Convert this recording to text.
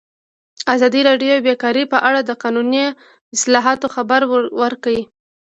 ازادي راډیو د بیکاري په اړه د قانوني اصلاحاتو خبر ورکړی.